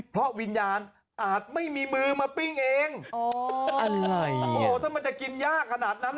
เพราะวิญญาณอาจไม่มีมือมาปิ้งเองอ๋ออะไรโอ้โหถ้ามันจะกินยากขนาดนั้น